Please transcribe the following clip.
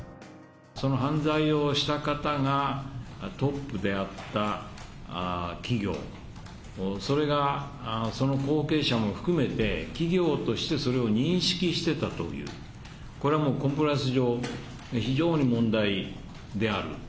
その犯罪をした方がトップであった企業、それが、その後継者も含めて、企業としてそれを認識してたという、これはもうコンプライアンス上、非常に問題である。